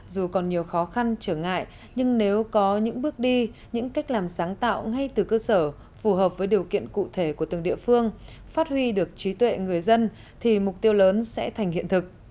dù còn nhiều khó khăn trở ngại nhưng nếu có những bước đi những cách làm sáng tạo ngay từ cơ sở phù hợp với điều kiện cụ thể của từng địa phương phát huy được trí tuệ người dân thì mục tiêu lớn sẽ thành hiện thực